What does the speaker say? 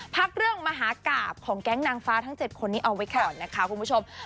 พักเรื่องมหากราบของแก๊งนางฟ้าทั้ง๗คนนี้เอาไว้ก่อนนะคะคุณผู้ชม